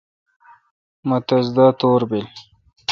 مہ تس دا تور بیل۔